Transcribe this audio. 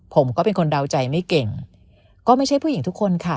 ผมก็เป็นคนเดาใจไม่เก่งก็ไม่ใช่ผู้หญิงทุกคนค่ะ